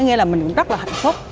nghĩa là mình cũng rất là hạnh phúc